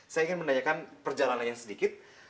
saya ingin menanyakan perjalanannya sedikit